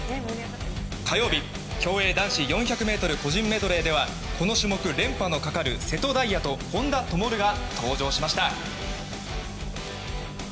火曜日、競泳男子４００ｍ個人メドレーではこの種目連覇のかかる瀬戸大也と本多灯が登場しました。